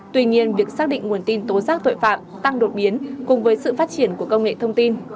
tuy nhiên việc xác định nguồn tin tố giác tội phạm tăng đột biến cùng với sự phát triển của công nghệ thông tin